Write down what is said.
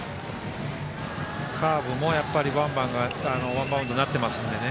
カーブもワンバウンドになってますのでね。